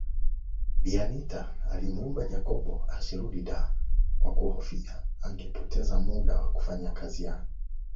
Bi Anita alimuomba Jacob asirudi Dar kwa kuhofia angepoteza muda wa kufanya kazi yake